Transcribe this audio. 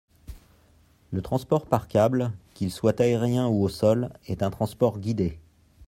Le transport par câble, qu’il soit aérien ou au sol, est un transport guidé.